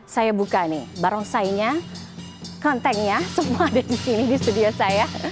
saya buka nih barongsainya kelentengnya semua ada di sini di studio saya